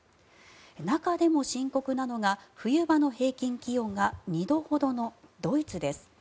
中でも深刻なのが冬場の平均気温が２度ほどのドイツです。